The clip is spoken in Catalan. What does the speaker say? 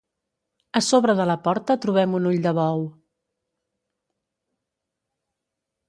A sobre de la porta trobem un ull de bou.